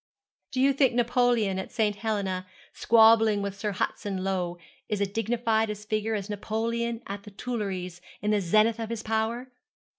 'Do you think Napoleon at St. Helena, squabbling with Sir Hudson Lowe, is as dignified a figure as Napoleon at the Tuileries, in the zenith of his power?